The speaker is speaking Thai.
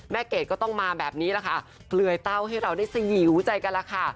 เกรดก็ต้องมาแบบนี้แหละค่ะเกลือยเต้าให้เราได้สยิวใจกันล่ะค่ะ